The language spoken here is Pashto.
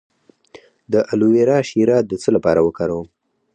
د الوویرا شیره د څه لپاره وکاروم؟